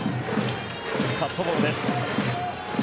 カットボールです。